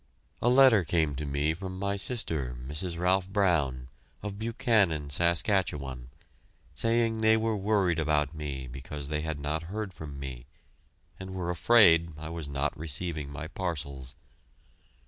A letter came to me from my sister, Mrs. Ralph Brown, of Buchanan, Saskatchewan, saying they were worried about me because they had not heard from me, and were afraid I was not receiving my parcels.